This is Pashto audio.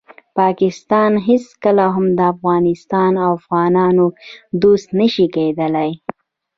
پاکستان هیڅکله هم د افغانستان او افغانانو دوست نشي کیدالی.